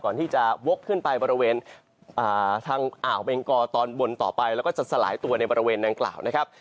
ก่อนที่จะวกขึ้นไปบริเวณทางอ่าวเบงกอตอนบนต่อไปแล้วก็จะสลายตัวในบริเวณดังกล่าวนะครับ